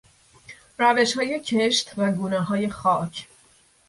روشهای کشت و گونههای خاک